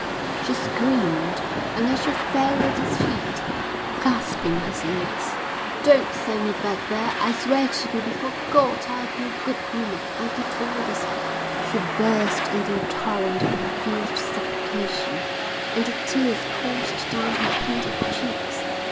She screamed, and then she fell at his feet, clasping his legs. "Don't send me back there. I swear to you before God I'll be a good woman. I'll give all this up." She burst into a torrent of confused supplication and the tears coursed down her painted cheeks.